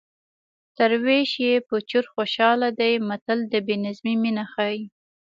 تر وېش یې په چور خوشحاله دی متل د بې نظمۍ مینه ښيي